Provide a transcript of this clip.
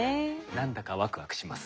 なんだかワクワクしますね。